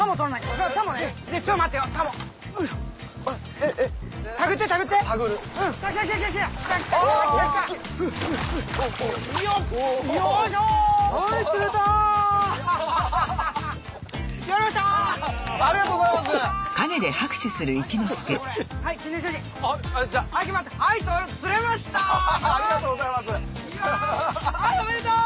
はいおめでとう！